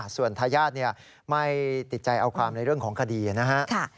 ส่วนทายาทไม่ติดใจเอาความในเรื่องของคดีนะครับ